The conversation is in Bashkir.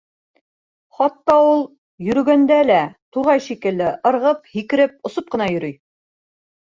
Хатта ул, йөрөгәндә лә, турғай шикелле ырғып, һикереп, осоп ҡына йөрөй.